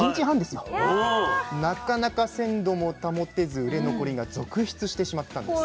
なかなか鮮度も保てず売れ残りが続出してしまったんです。